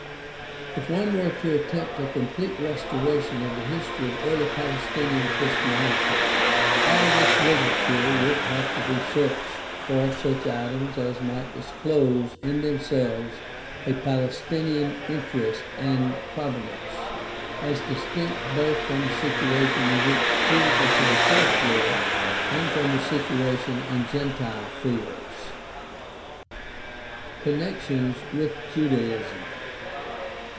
If one were to attempt a complete restora tion of the history of early Palestinian Christianity, all this hterature would have to be searched for such items as might disclose in themselves a Palestinian interest and provenance, as distinct both from the situation in which Jesus himself Hved and from the situation in gentile fields. 272 GUIDE TO STUDY OF CHRISTIAN RELIGION Connections with Judaism.